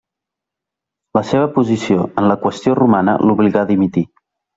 La seva posició en la Qüestió Romana l'obligà a dimitir.